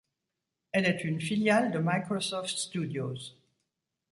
Elle est une filiale de Microsoft Studios.